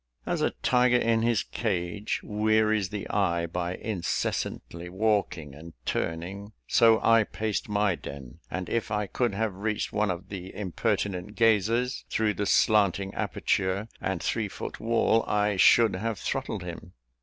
As a tiger, in his cage, wearies the eye by incessantly walking and turning, so I paced my den; and if I could have reached one of the impertinent gazers, through the slanting aperture and three foot wall, I should have throttled him.